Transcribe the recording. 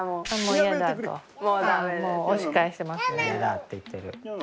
「いやだ」って言ってる。